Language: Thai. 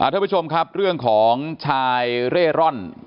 ท่านผู้ชมครับเรื่องของชายเร่ร่อน